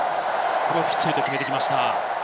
ここはきっちりと決めてきました。